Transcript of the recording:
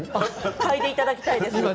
嗅いでいただきたいです。